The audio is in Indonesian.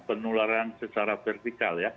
penularan secara vertikal ya